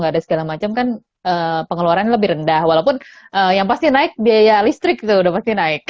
ada segala macam kan pengeluaran lebih rendah walaupun yang pasti naik biaya listrik itu udah pasti naik